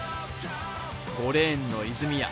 ５レーンの泉谷。